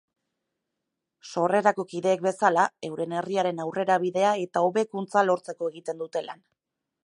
Sorrerako kideek bezala, euren herriaren aurrerabidea eta hobekuntza lortzeko egiten dute lan.